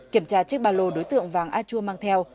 kiểm tra chiếc ba lô đối tượng vàng a chua mang theo